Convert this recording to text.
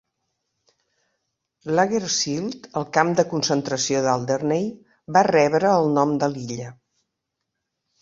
Lager Sylt, el camp de concentració d'Alderney, va rebre el nom de l'illa.